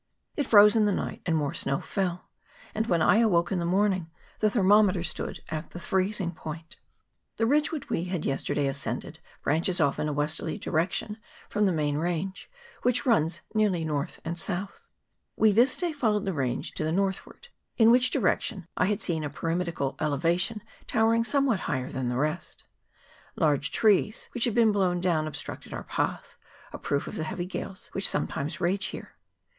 It froze in the night, and more snow fell ; and when I awoke in the morning the thermometer stood at the freezing point. 88 THE TARARUA RANGE. [PART I. The ridge which we had yesterday ascended branches off in a westerly direction from the main range, which runs nearly north and south. We this day followed the range to the north ward, in which direction I had seen a pyramidical elevation towering somewhat higher than the rest. Large trees which had been blown down obstructed our path, a proof of the heavy gales which some times rage here.